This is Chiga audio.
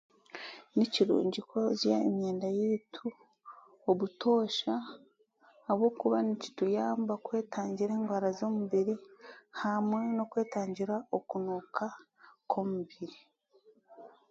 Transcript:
Ni kirungi kwoza emyenda yaitu obutoosha ahabwokuba nikituyamba kwetangira engwara z'omubiri hamwe n'okwetangira okunuuka kw'omubiri